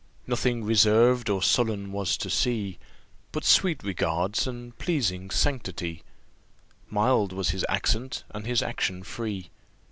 Nothing reserved or sullen was to see, But sweet regards, and pleasing sanctity, Mild was his accent, and his action free.